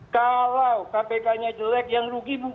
kalau kpknya jelek yang rugi